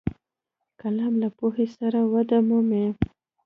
قلم له پوهې سره ودې مومي